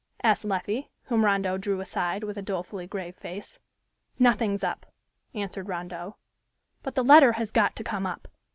asked Leffie, whom Rondeau drew aside, with a dolefully grave face. "Nothing's up," answered Rondeau, "but the letter has got to come up!